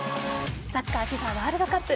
サッカーＦＩＦＡワールドカップ